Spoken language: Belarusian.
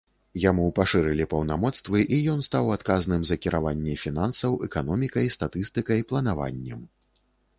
Яму пашырылі паўнамоцтвы, і ён стаў адказным за кіраванне фінансаў, эканомікай, статыстыкай, планаваннем.